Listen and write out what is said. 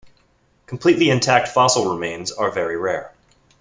Completely intact fossil remains are very rare.